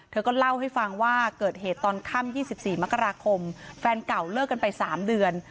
เธอก็เล่าให้ฟังว่าเกิดเหตุตอนข้ามยี่สิบสี่มกราคมแฟนเก่าเลิกกันไปสามเดือน